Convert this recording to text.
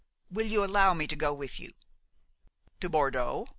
Will you allow me to go with you?" "To Bordeaux?"